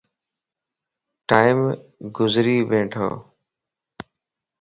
ٽيم گزري ٻيھڻو